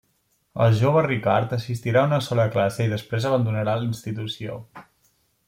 El jove Ricard assistirà a una sola classe i després abandonarà la institució.